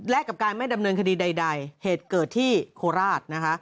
แต่ไม่ดำเนินคดีใดเหตุเกิดที่โคราช